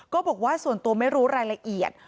ก็บอกว่าส่วนตัวไม่รู้รายละเอียด